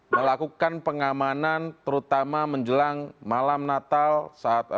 melakukan pengamanan terutama menjelang malam natal saat